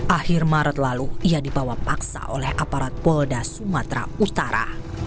akhir maret lalu ia dibawa paksa oleh aparat polda sumatera utara